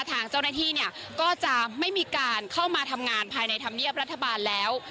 ทางเจ้าหน้าที่เนี่ยก็จะไม่มีการเข้ามาทำงานภายในธรรมเนียบรัฐบาลแล้ว